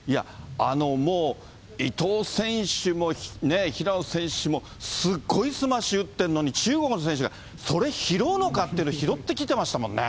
もう伊藤選手も、平野選手も、すっごいスマッシュ打ってるのに、中国の選手が、それ拾うのかっていうの拾ってきてましたもんね。